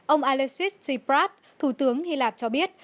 ông alexis tsipras thủ tướng hy lạp cho biết